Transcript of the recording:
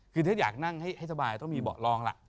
คือถ้าอยากนั่งให้สบายต้องมีเบาะลองล่ะ